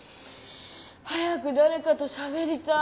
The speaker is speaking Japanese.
早くだれかとしゃべりたい。